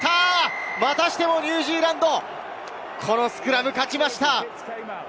またしてもニュージーランド、このスクラム勝ちました。